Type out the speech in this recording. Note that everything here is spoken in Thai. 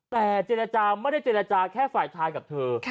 แต่เจรจาไม่ได้เจรจาแค่ฝ่ายชายกับเธอ